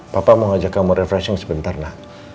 papa mau ajak kamu refreshing sebentar ma